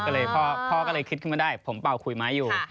ก็เลยพ่อก็เลยคิดขึ้นมาได้ผมเป่าขุยไม้อยู่